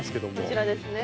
こちらですね。